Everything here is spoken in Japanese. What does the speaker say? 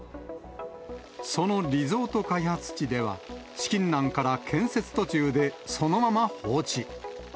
そのリゾート開発地では、資金難から建設途中でそのまま放置。